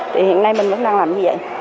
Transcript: thì hiện nay mình vẫn đang làm như vậy